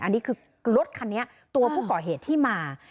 อันนี้คือรถคันนี้ตัวผู้ก่อเหตุที่มา